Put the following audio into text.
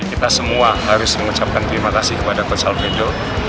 kita semua harus mengucapkan terima kasih kepada coach alfredo